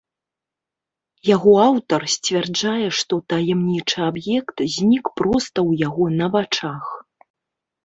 Яго аўтар сцвярджае, што таямнічы аб'ект знік проста ў яго на вачах.